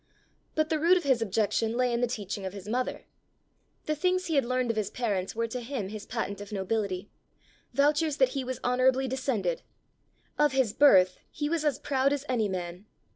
But the root of his objection lay in the teaching of his mother. The things he had learned of his parents were to him his patent of nobility, vouchers that he was honourably descended: of his birth he was as proud as any man.